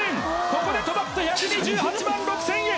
ここで止まって１２８万６０００円！